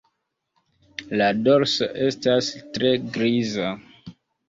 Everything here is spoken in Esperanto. La dorso estas tre griza.